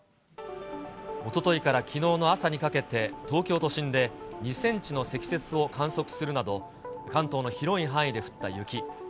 おとといからきのうの朝にかけて、東京都心で２センチの積雪を観測するなど、関東の広い範囲で降った雪。